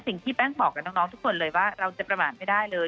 สิ่งที่แป้งบอกกับน้องทุกคนเลยว่าเราจะประมาทไม่ได้เลย